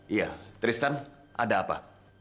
iya tristan ada apa